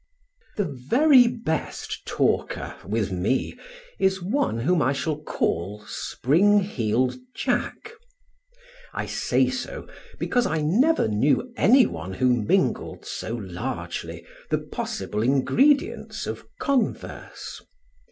The very best talker, with me, is one whom I shall call Spring Heel'd Jack. I say so, because I never knew anyone who mingled so largely the possible ingredients of converse.